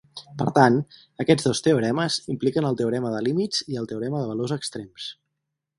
Per tant, aquests dos teoremes impliquen el teorema de límits i el teorema de valors extrems.